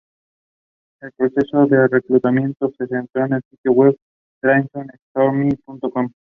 El proceso de reclutamiento se centró en el sitio web DraftStormy.com.